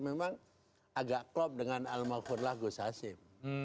memang agak klop dengan al mawfur lagus hasim